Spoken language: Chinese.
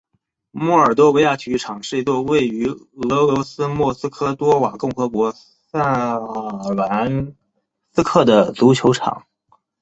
莫尔多维亚体育场是一座位于俄罗斯莫尔多瓦共和国萨兰斯克的足球场。